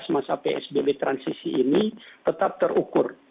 masa psbb transisi ini tetap terukur